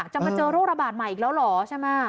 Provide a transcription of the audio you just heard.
จะมาเจอโรคระบาดใหม่อีกแล้วเหรอใช่ไหม